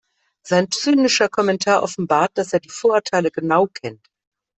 Sein zynischer Kommentar offenbart, dass er die Vorurteile genau kennt.